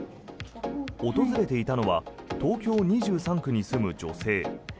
訪れていたのは東京２３区に住む女性。